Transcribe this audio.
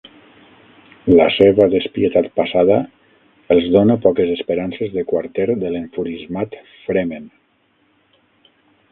La seva despietat passada els dóna poques esperances de quarter de l'enfurismat Fremen.